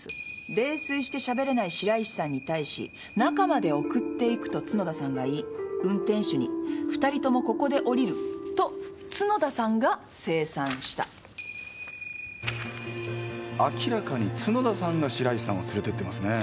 「泥酔してしゃべれない白石さんに対し『中まで送って行く』と角田さんが言い運転手に『二人ともここで降りる』と角田さんが精算した」明らかに角田さんが白石さんを連れて行ってますね。